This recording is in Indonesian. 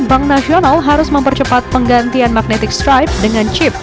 bank nasional harus mempercepat penggantian magnetic stripe dengan chip